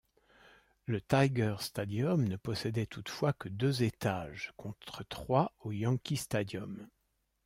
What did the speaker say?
Le Tiger Stadium ne possédait toutefois que deux étages contre trois au Yankee Stadium.